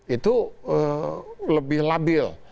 itu lebih labil